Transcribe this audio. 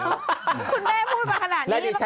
คุณแม่พูดมาขนาดนี้อีกแล้วอยากรู้ไหม